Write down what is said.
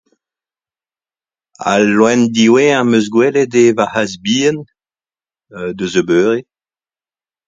Al loen diwezhañ 'm eus gwelet eo va c'hazh bihan, deus ar beure